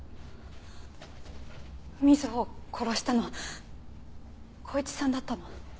瑞穂を殺したのは公一さんだったの？